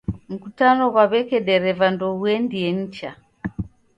Mkutano ghwa w'eke dreva ndoghuendie nicha.